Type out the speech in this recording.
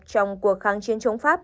trong cuộc kháng chiến chống pháp